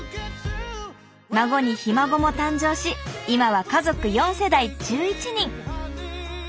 孫にひ孫も誕生し今は家族４世代１１人。